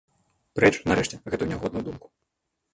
Прэч, нарэшце, гэтую нягодную думку.